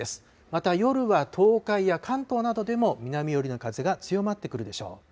また夜は東海や関東などでも南寄りの風が強まってくるでしょう。